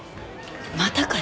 またかよ。